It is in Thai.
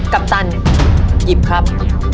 ปัปตันหยิบครับ